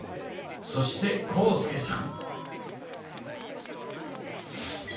そして浩介さん。